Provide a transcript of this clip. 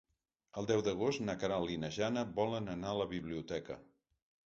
El deu d'agost na Queralt i na Jana volen anar a la biblioteca.